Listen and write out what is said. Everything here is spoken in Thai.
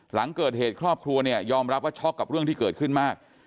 หลังเกิดเหตุครอบครัวเนี่ยยอมรับว่าช็อกกับเรื่องที่เกิดขึ้นมาก